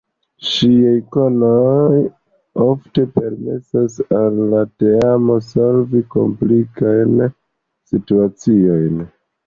Ŝiaj konoj ofte permesas al la teamo solvi komplikajn situaciojn.